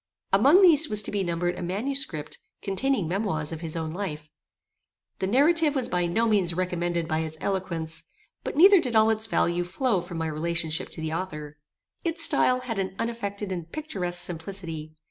Among these was to be numbered a manuscript, containing memoirs of his own life. The narrative was by no means recommended by its eloquence; but neither did all its value flow from my relationship to the author. Its stile had an unaffected and picturesque simplicity.